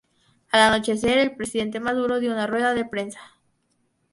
Al anochecer, el presidente Maduro dio una rueda de prensa.